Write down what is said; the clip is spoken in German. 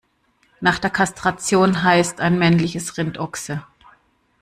Nach der Kastration heißt ein männliches Rind Ochse.